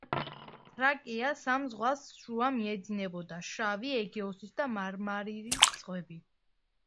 თრაკეა სამ ზღვას შუა მდებარეობდა: შავი, ეგეოსის და მარმარისის ზღვები.